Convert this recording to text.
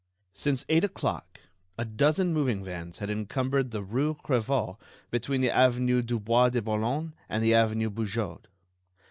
Since eight o'clock a dozen moving vans had encumbered the rue Crevaux between the avenue du Bois de Boulogne and the avenue Bugeaud. Mon.